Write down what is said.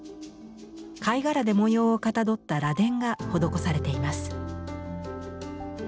貝殻で模様をかたどった「螺鈿」が施されています。